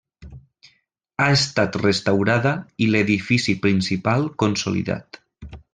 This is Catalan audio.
Ha estat restaurada i l'edifici principal consolidat.